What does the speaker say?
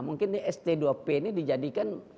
mungkin di st dua p ini dijadikan